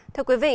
thưa quý vị